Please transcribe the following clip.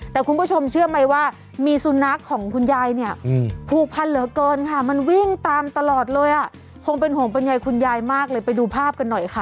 แต่คุณผู้ชมเชื่อไหมว่ามีสุนัขของคุณยายเนี่ยผูกพันเหลือเกินค่ะมันวิ่งตามตลอดเลยอ่ะคงเป็นห่วงเป็นใยคุณยายมากเลยไปดูภาพกันหน่อยค่ะ